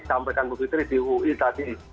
sampaikan bu fitri di ui tadi